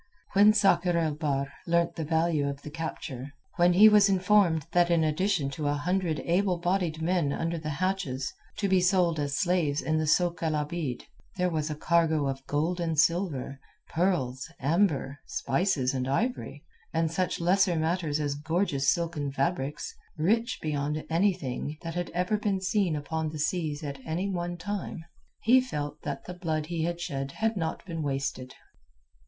When Sakr el Bahr learnt the value of the capture, when he was informed that in addition to a hundred able bodied men under the hatches, to be sold as slaves in the sôk el Abeed, there was a cargo of gold and silver, pearls, amber, spices, and ivory, and such lesser matters as gorgeous silken fabrics, rich beyond anything that had ever been seen upon the seas at any one time, he felt that the blood he had shed had not been wasted.